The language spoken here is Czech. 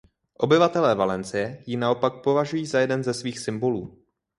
Obyvatelé Valencie ji naopak považují za jeden ze svých symbolů.